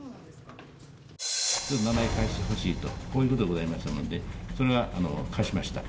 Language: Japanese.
ちょっと名前を貸してほしいと、こういうことでございましたので、それは貸しました。